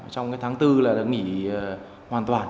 trong cái tháng bốn là nghỉ hoàn toàn